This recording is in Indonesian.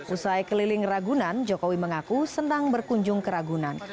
usai keliling ragunan jokowi mengaku senang berkunjung ke ragunan